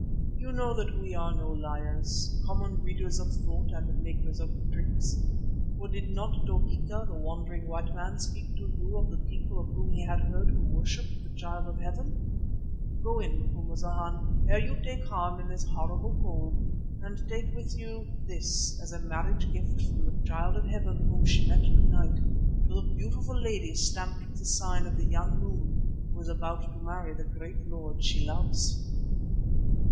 You know that we are no liars, common readers of thought and makers of tricks, for did not Dogeetah, the wandering white man, speak to you of the people of whom he had heard who worshipped the Child of Heaven? Go in, Macumazana, ere you take harm in this horrible cold, and take with you this as a marriage gift from the Child of Heaven whom she met to night, to the beautiful lady stamped with the sign of the young moon who is about to marry the great lord she loves."